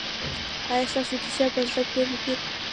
ایا ستاسو کیسې په زړه پورې دي؟